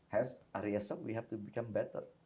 hari esok kita harus menjadi lebih baik